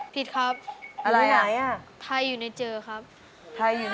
ผิดครับไทยอยู่ในเจอครับหรือไหนอ่ะฮะ